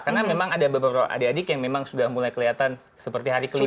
karena memang ada beberapa adik adik yang memang sudah mulai kelihatan seperti hari kelima